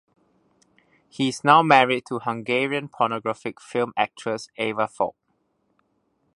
He is now married to Hungarian pornographic film actress Eva Falk.